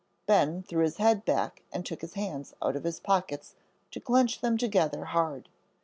Ben threw his head back and took his hands out of his pockets to clench them together hard.